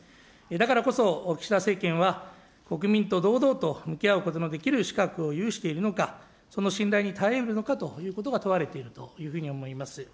だからこそ岸田政権は国民と堂々と向き合うことのできる資格を有しているのか、その信頼に耐えうるのかということが問われているというふうに思います。